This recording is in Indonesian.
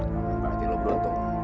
berarti lo beruntung